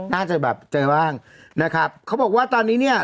น่าจะแบบใจบ้างนะครับเขาบอกว่าตอนนี้เนี่ย